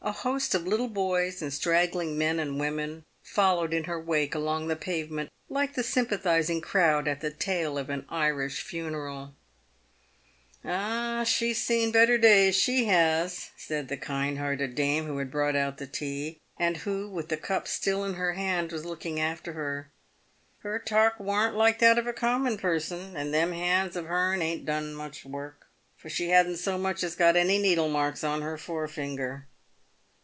A host of little boys and straggling men and women fol lowed in her wake along the pavement, like the sympathising crowd at the tail of an Irish funeral. " Ah ! she's seen better days, she has," said the kind hearted dame who had brought out the tea, and who, with the cup still in her hand, was looking after her. " Her talk warn't like that of a common person ; and them hands of hern ain't done much work, for she hadn't so much as got any needle marks on her forefinger."